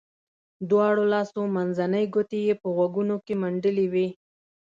دواړو لاسو منځنۍ ګوتې یې په غوږونو کې منډلې وې.